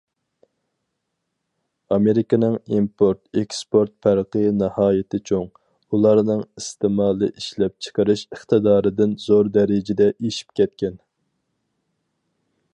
ئامېرىكىنىڭ ئىمپورت- ئېكسپورت پەرقى ناھايىتى چوڭ، ئۇلارنىڭ ئىستېمالى ئىشلەپچىقىرىش ئىقتىدارىدىن زور دەرىجىدە ئېشىپ كەتكەن.